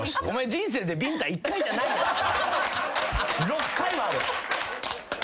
６回はある。